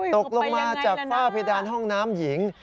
ตกลงมาจากฝ้าเพดานห้องน้ำหญิง